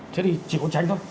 thế thì chỉ có tránh thôi